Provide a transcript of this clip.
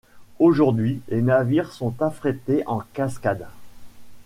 Aujourd'hui, les navires sont affrétés en cascade.